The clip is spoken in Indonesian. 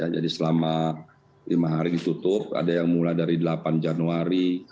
jadi selama lima hari ditutup ada yang mulai dari delapan januari